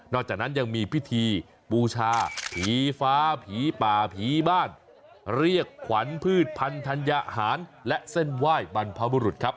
จากนั้นยังมีพิธีบูชาผีฟ้าผีป่าผีบ้านเรียกขวัญพืชพันธัญหารและเส้นไหว้บรรพบุรุษครับ